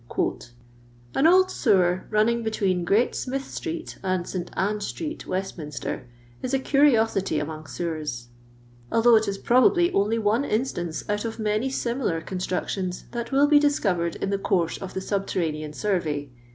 " An old sewer, running between GmU Smitk street and St. Ann street (Wettminater), is a curiosity among lewen, althongh it ii probably only one instance out of many aimilar eanitme tions that will be diMovered in the eonne of the subterranean survey.